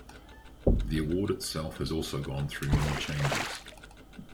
The award itself has also gone through many changes.